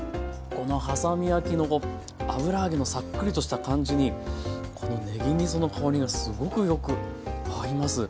このはさみ焼きの油揚げのサックリとした感じにこのねぎみその香りがすごくよく合います。